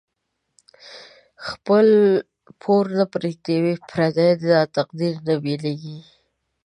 خپل پور نه پریږدی پردی، داتقدیر دی نه بیلیږی